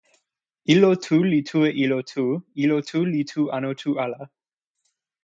ilo tu li tu e ilo tu, ilo tu li tu anu tu ala?